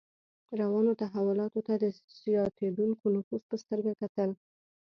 روانو تحولاتو ته د زیاتېدونکي نفوذ په سترګه کتل.